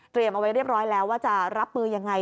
เอาไว้เรียบร้อยแล้วว่าจะรับมือยังไง